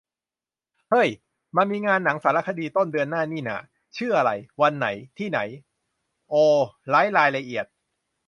เฮ้ย มันมีงานหนังสารคดี ต้นเดือนหน้านี่นา ชื่ออะไร วันไหน ที่ไหน โอ ไร้รายละเอียด